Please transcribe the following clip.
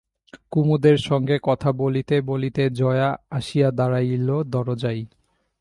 কুমুদের সঙ্গে কথা বলিতে বলিতে জয়া আসিয়া দাড়াইল দরজায়।